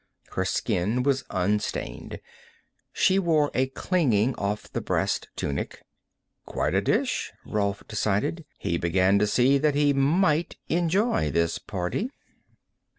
Her skin was unstained. She wore a clinging off the breast tunic. Quite a dish, Rolf decided. He began to see that he might enjoy this party.